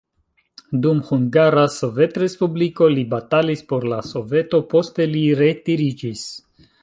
Dum Hungara Sovetrespubliko li batalis por la Soveto, poste li retiriĝis.